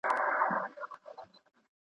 کمپيوټر وايفای سيګنال ښيي.